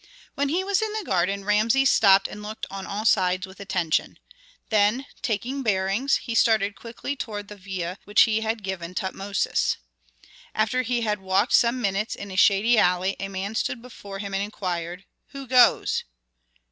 When he was in the garden Rameses stopped and looked on all sides with attention. Then, taking bearings, he started quickly toward the villa which he had given Tutmosis. After he had walked some minutes in a shady alley a man stood before him and inquired, "Who goes?"